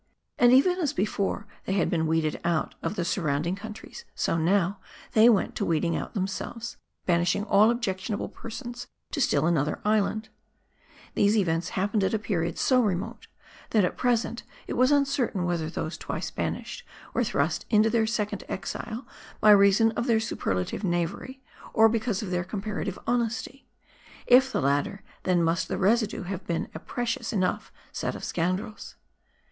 And even as before they had been weeded out of the surrounding countries ; so now, they went to weeding out themselves ; banishing all objectionable persons to still another island. 312 MARDI. These events happened at a period so remote, that at pre sent it was uncertain whether those twice banished, were thrust into their second exile by reason of their superlative knavery, or because of their comparative honesty. If the latter, then must the residue have been a precious enough set of scoundrels.